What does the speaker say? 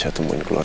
saya mau ke rumah